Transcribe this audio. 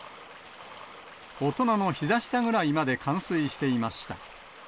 大人のひざ下ぐらいまで冠水していました。